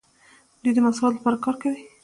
دوی د مساوات لپاره کار کوي.